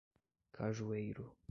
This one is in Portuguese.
Cajueiro